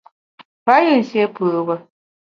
Payù nsié pùbe.